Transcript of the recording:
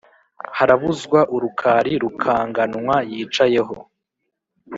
harabuzwa urukari mukanganwa yicaye ho,